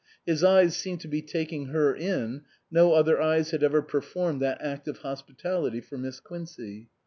His eyes seemed to be taking her in (no other eyes had ever per formed that act of hospitality for Miss Quincey).